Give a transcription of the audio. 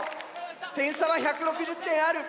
点差は１６０点ある。